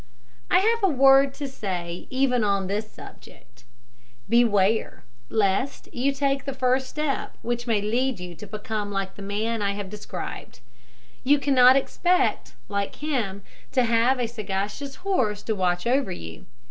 I have a word to say even on this subject. Beware lest you take the first step which may lead you to become like the man I have described. You cannot expect, like him, to have a sagacious horse to watch over you.